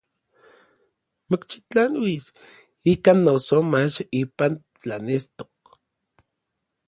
Mokxitlanuis ikan noso mach ipan tlanestok.